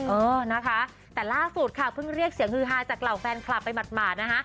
เออนะคะแต่ล่าสุดค่ะเพิ่งเรียกเสียงฮือฮาจากเหล่าแฟนคลับไปหมาดนะคะ